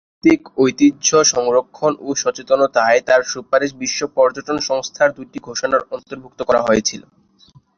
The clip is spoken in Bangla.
সাংস্কৃতিক ঐতিহ্য সংরক্ষণ ও সচেতনতায় তার সুপারিশ বিশ্ব পর্যটন সংস্থার দুইটি ঘোষণায় অন্তর্ভুক্ত করা হয়েছিল।